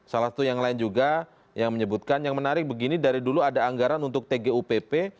salah satu yang lain juga yang menyebutkan yang menarik begini dari dulu ada anggaran untuk tgupp